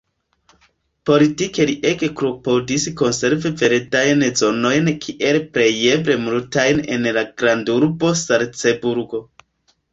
Politike li ege klopodis konservi verdajn zonojn kiel plejeble multajn en la grandurbo Salcburgo.